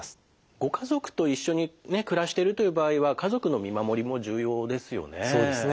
ご家族と一緒にね暮らしてるという場合は家族の見守りも重要ですよね。